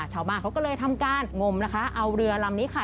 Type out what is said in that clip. ชาวบ้านเขาก็เลยทำการงมนะคะเอาเรือลำนี้ค่ะ